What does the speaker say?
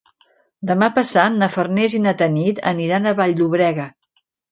Demà passat na Farners i na Tanit aniran a Vall-llobrega.